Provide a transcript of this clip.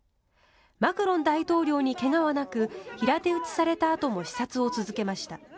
マクロン大統領に怪我はなく平手打ちされたあとも視察を続けました。